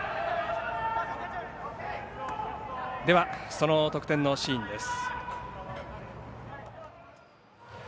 その得点のシーンです。